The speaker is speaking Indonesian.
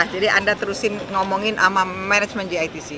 jadi anda terusin ngomongin sama manajemen jitc